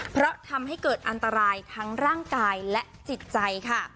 เพราะทำให้เกิดอันตรายทั้งร่างกายและจิตใจค่ะ